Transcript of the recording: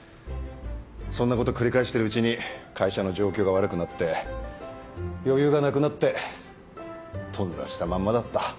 そんなこと繰り返してるうちに会社の状況が悪くなって余裕がなくなって頓挫したまんまだった。